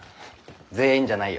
全員じゃないよ。